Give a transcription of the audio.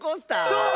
そう！